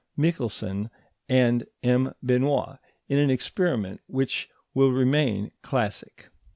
Michelson and M. Benoit in an experiment which will remain classic.